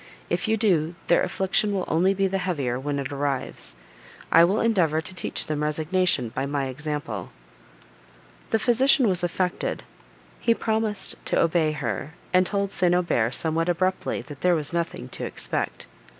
If you do, their affliction will only be the heavier when it arrives: I will endeavour to teach them resignation by my example." The physician was affected; he promised to obey her, and told St. Aubert, somewhat abruptly, that there was nothing to expect.